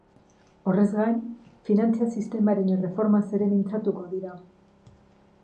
Horrez gain, finantza-sistemaren erreformaz ere mintzatuko dira.